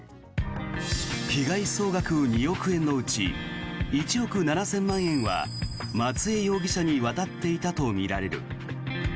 被害総額２億円のうち１億７０００万円は松江容疑者に渡っていたとみられる。